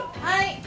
はい。